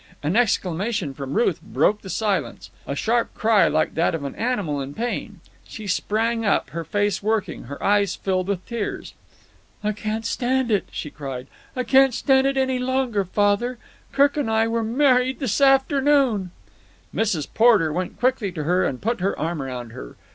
An exclamation from Ruth broke the silence, a sharp cry like that of an animal in pain. She sprang up, her face working, her eyes filled with tears. "I can't stand it!" she cried. "I can't stand it any longer! Father, Kirk and I were married this afternoon." Mrs. Porter went quickly to her and put her arm round her.